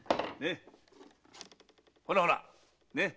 ほらほらね？